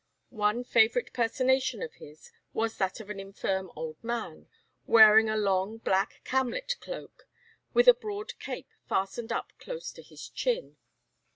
One favourite personation of his was that of an infirm old man, wearing a long black camlet cloak, with a broad cape fastened up close to his chin.